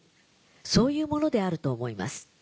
そういうものであると思います。